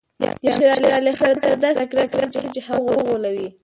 د امیر شېر علي خان سره داسې مذاکرات وکړي چې هغه وغولوي.